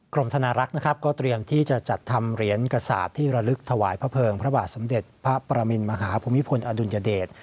ธนารักษ์นะครับก็เตรียมที่จะจัดทำเหรียญกษาปที่ระลึกถวายพระเภิงพระบาทสมเด็จพระปรมินมหาภูมิพลอดุลยเดช